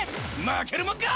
負けるもんか！